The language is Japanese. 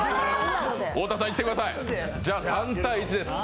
太田さんいってください、３対１です。